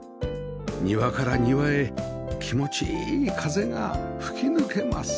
庭から庭へ気持ちいい風が吹き抜けます